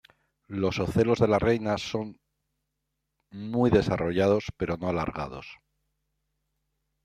Los ocelos de la reina son son muy desarrollados pero no alargados.